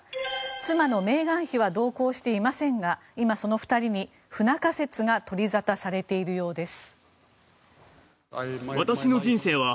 妻のメーガン妃は同行していませんが今、その２人に不仲説が取り沙汰されているようです。